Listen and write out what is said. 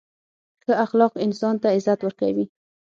• ښه اخلاق انسان ته عزت ورکوي.